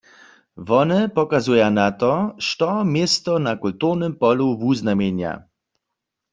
Wone pokazuja na to, što město na kulturnym polu wuznamjenja.